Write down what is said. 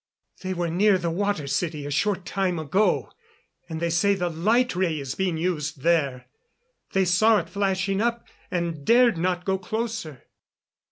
"They were near the Water City a short time ago. And they say the light ray is being used there. They saw it flashing up, and dared not go closer."